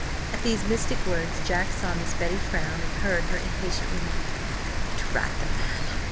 At these mystic words, Jack saw Miss Betty frown, and heard her impatient remark: "Drat the man!"